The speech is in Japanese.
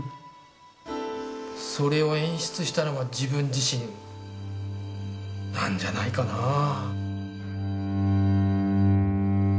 それを演出したのは自分自身なんじゃないかなぁ。